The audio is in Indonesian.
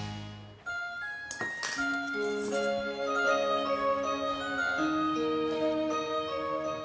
wah iya pak